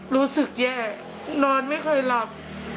รู้สึกแย่นอนไม่ค่อยหลับ